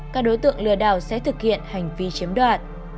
các đối tượng lừa đảo sẽ thực hiện hành vi chiếm đoạt